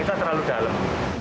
kita terlalu dalam